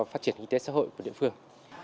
phát triển kinh tế xã hội của địa phương